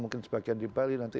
mungkin sebagian di bali nanti